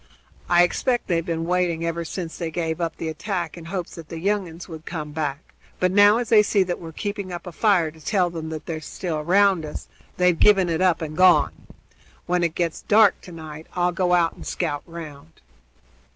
I expect they've been waiting, ever since they gave up the attack, in hopes that the young uns would come back; but now, as they see that we're keeping up a fire to tell them as how they're still round us, they've given it up and gone. When it gets dark to night I'll go out and scout round."